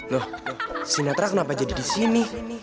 loh si netra kenapa jadi di sini